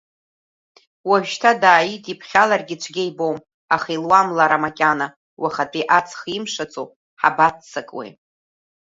Уажәшьҭа дааидиԥхьаларгьы цәгьа ибом, аха илуам лара макьана, уахатәи аҵх имшаӡо ҳабаццакуеи?